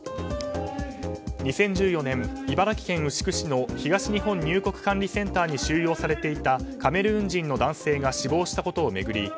２０１４年、茨城県牛久市の東日本入国管理センターに収容されていたカメルーン人の男性が死亡したことを巡り